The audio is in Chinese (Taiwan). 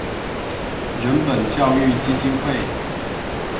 人本教育基金會